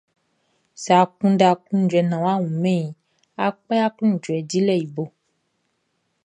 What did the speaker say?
Sɛ a kunndɛ aklunjuɛ naan a wunmɛn iʼn, a kpɛ aklunjuɛ dilɛʼn i bo.